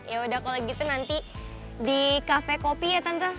yaudah kalo gitu nanti di kafe kopi ya tante